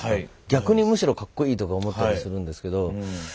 逆にむしろかっこいいとか思ったりするんですけど。